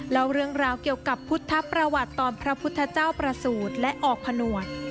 เล่าเรื่องราวเกี่ยวกับพุทธประวัติตอนพระพุทธเจ้าประสูจน์และออกผนวด